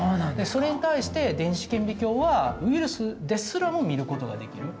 それに対して電子顕微鏡はウイルスですらも見ることができる。